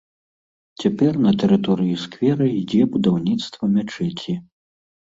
Цяпер на тэрыторыі сквера ідзе будаўніцтва мячэці.